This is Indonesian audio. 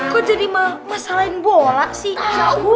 kok jadi masalahin bola sih